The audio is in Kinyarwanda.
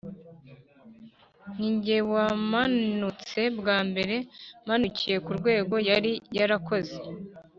Ni jye wamanutse bwa mbere manukiye ku rwego yari yarakoze